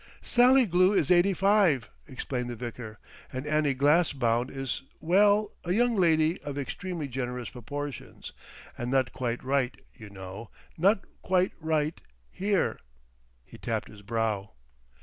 "Sally Glue is eighty five," explained the vicar, "and Annie Glassbound is well—a young lady of extremely generous proportions. And not quite right, you know. Not quite right—here." He tapped his brow.